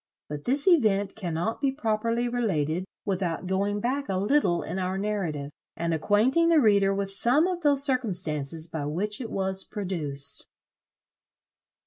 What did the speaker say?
But this event cannot be properly related without going back a little in our narrative, and acquainting the reader with some of those circumstances by which it was produced.